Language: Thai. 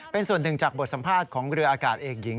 เป็นส่วนหนึ่งจากบทสัมภาษณ์ของเรืออากาศเอกหญิง